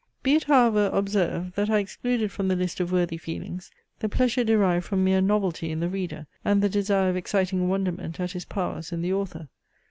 Be it however observed, that I excluded from the list of worthy feelings, the pleasure derived from mere novelty in the reader, and the desire of exciting wonderment at his powers in the author.